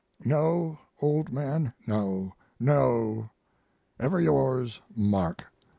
No, old man, no, no! Ever yours, MARK.